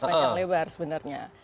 masih panjang lebar sebenarnya